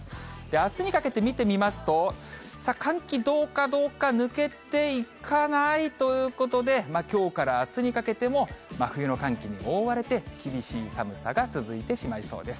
あすにかけて見てみますと、寒気、どうかどうか、抜けていかないということで、きょうからあすにかけても、真冬の寒気に覆われて、厳しい寒さが続いてしまいそうです。